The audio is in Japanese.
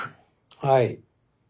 はい。